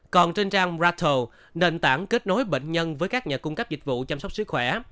còn trên trang ratal nền tảng kết nối bệnh nhân với các nhà cung cấp dịch vụ chăm sóc sức khỏe